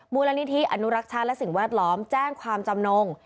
มูลนิธิอนุรักษ์ชาติและสิ่งแวดล้อมแจ้งความจำนง